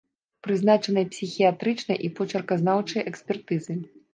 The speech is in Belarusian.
Прызначаныя псіхіятрычная і почырказнаўчая экспертызы.